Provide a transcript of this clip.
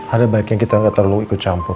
ada baiknya kita nggak terlalu ikut campur